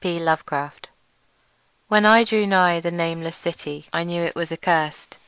P. Lovecraft When I drew nigh the nameless city I knew it was accursed.